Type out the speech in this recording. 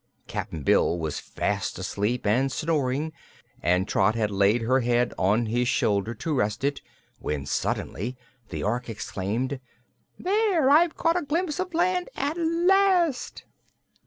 Cap'n Bill was fast asleep and snoring and Trot had laid her head on his shoulder to rest it when suddenly the Ork exclaimed: "There! I've caught a glimpse of land, at last."